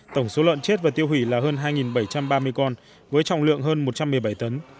tổng số lợn chết và tiêu hủy là hơn hai bảy trăm ba mươi con với trọng lượng hơn một trăm một mươi bảy tấn